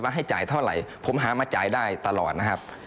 ให้จ่ายเท่าไหร่ผมหามาจ่ายได้ตลอดนะครับ